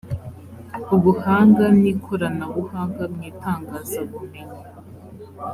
ubuhanga n ikoranabuhanga mu itangazabumenyi